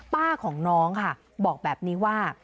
ป้าของน้องค่ะบอกแบบนี้ว่า